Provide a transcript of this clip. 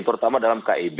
terutama dalam keb